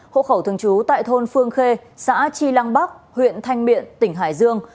hộ khẩu thường trú tại thôn phương khê xã tri lăng bắc huyện thanh miện tỉnh hải dương